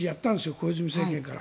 小泉政権から。